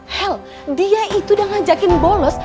hell dia itu udah ngajakin bolos